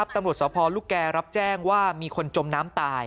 ตำรวจสพลูกแก่รับแจ้งว่ามีคนจมน้ำตาย